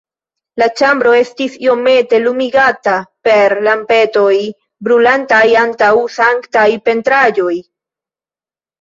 La ĉambro estis iomete lumigata per lampetoj, brulantaj antaŭ sanktaj pentraĵoj.